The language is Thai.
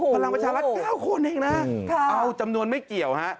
พลังประชารัฐ๙คนเองนะเอาจำนวนไม่เกี่ยวฮะ